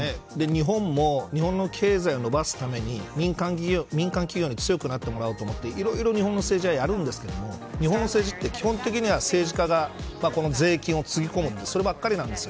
日本も日本の経済を伸ばすために民間企業に強くならなってもらおうと思っていろいろ日本の政治がやるんですが日本の政治は基本的には政治家が税金をつぎ込むばっかりです。